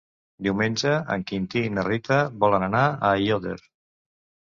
Diumenge en Quintí i na Rita volen anar a Aiòder.